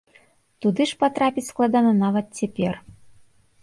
Туды ж патрапіць складана нават цяпер.